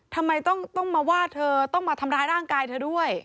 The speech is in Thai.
ทำไมต้องมาว่าเธอต้องมาทำร้ายร่างกายเธอด้วย